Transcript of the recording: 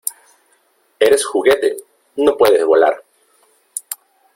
¡ Eres juguete !¡ no puedes volar !